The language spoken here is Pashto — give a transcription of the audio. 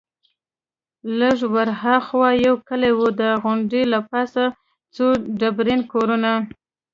لږ ورهاخوا یو کلی وو، د غونډۍ له پاسه څو ډبرین کورونه.